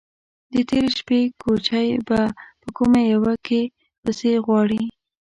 _د تېرې شپې کوچی به په کومه يوه کې پسې غواړې؟